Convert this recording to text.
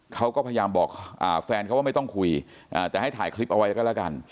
เขาก็พยายามบอกแฟนเขาว่าไม่ต้องคุยแต่ให้ถ่ายคลิปเอาไว้ก็แล้วกัน